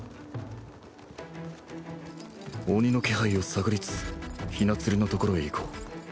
鬼の気配を探りつつ雛鶴のところへ行こう